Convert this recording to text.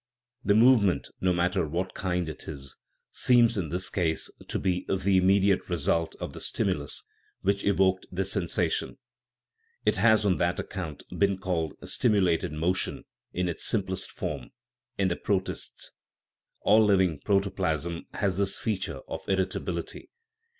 The movement no matter what kind it is seems in this case to be the immediate result of the stimulus which evoked the sensation; it has, on that account, been called stimulated motion in its simplest form (in the protists). All living protoplasm has this feature of irritability.